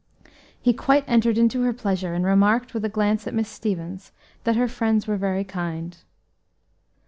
He quite entered into her pleasure, and remarked, with a glance at Miss Stevens, "that her friends were very kind."